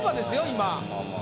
今。